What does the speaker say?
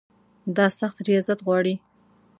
دا سخت ریاضت غواړي.